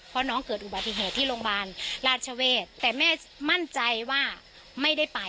เพราะน้องเกิดอุบัติเหตุที่โรงพยาบาลราชเวศแต่แม่มั่นใจว่าไม่ได้ไป